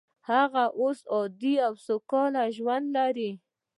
هغه اوس یو عادي او سوکاله ژوند لري